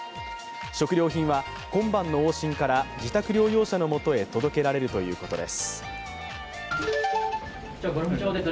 食料品は今晩の往診から自宅療養者の元へ届けられるということです。